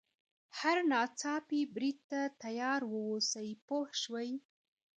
هر ناڅاپي برید ته تیار واوسي پوه شوې!.